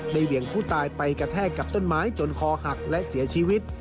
เหวี่ยงผู้ตายไปกระแทกกับต้นไม้จนคอหักและเสียชีวิต